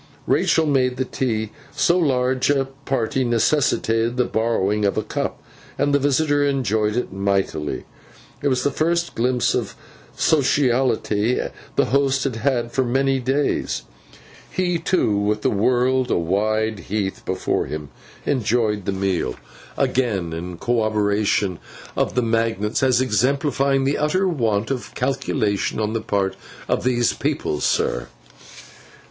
Rachael made the tea (so large a party necessitated the borrowing of a cup), and the visitor enjoyed it mightily. It was the first glimpse of sociality the host had had for many days. He too, with the world a wide heath before him, enjoyed the meal—again in corroboration of the magnates, as exemplifying the utter want of calculation on the part of these people, sir.